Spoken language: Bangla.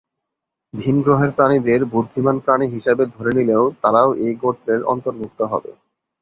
ভিনগ্রহের প্রাণীদের "বুদ্ধিমান প্রাণী" হিসাবে ধরে নিলে তারাও এই গোত্রের অন্তর্ভুক্ত হবে।